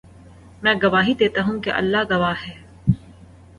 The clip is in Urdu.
میں گواہی دیتا ہوں کہ اللہ گواہ ہے